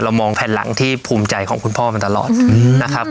มองแผ่นหลังที่ภูมิใจของคุณพ่อมาตลอดนะครับ